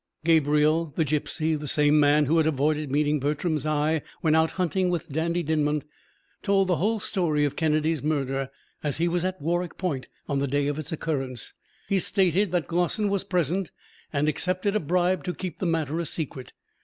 Gabriel, the gipsy, the same man who had avoided meeting Bertram's eye when out hunting with Dandie Dinmont, told the whole story of Kennedy's murder, as he was at Warroch Point on the day of its occurrence. He stated that Glossin was present and accepted a bribe to keep the matter a secret.